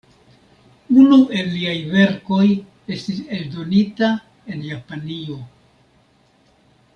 Unu el liaj verkoj estis eldonita en Japanio.